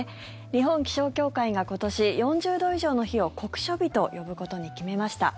日本気象協会が今年４０度以上の日を酷暑日と呼ぶことに決めました。